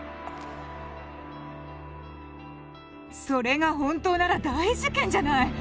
それが本当なら大事件じゃない！